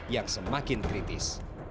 yang semakin kritis